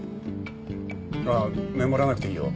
ああメモらなくていいよ。